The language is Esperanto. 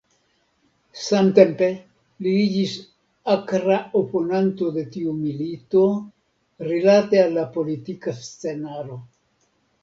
Samtempe li iĝis akra oponanto de tiu milito rilate al la politika scenaro.